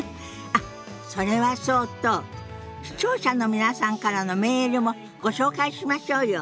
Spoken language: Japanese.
あっそれはそうと視聴者の皆さんからのメールもご紹介しましょうよ。